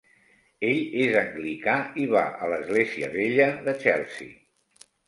Ell és anglicà i va a l'Església Vella de Chelsea.